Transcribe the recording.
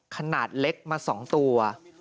ขนาดเล็กมา๒ตัว